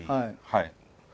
はい。